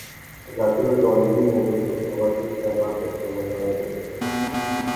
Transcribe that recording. জাতীয় দলটি মূলত প্রবাসী খেলোয়াড়দের সমন্বয়ে গঠিত।